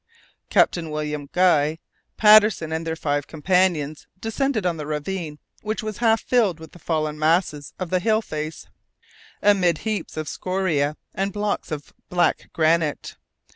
Captain William Guy, Patterson, and their five companions descended the ravine, which was half filled with the fallen masses of the hill face, amid heaps of scoria and blocks of black granite.